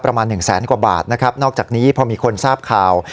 ประมาณหนึ่งแสนกว่าบาทนะครับนอกจากนี้พอมีคนทราบข่าว